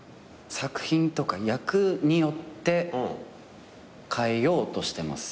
作品とか役によって変えようとしてます。